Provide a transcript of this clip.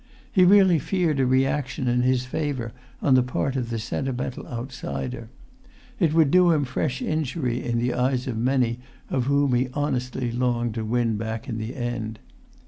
He really feared a reaction in his favour on the part of the sentimental outsider. It would do him fresh injury in the eyes of many of whom he honestly longed to win back in the end.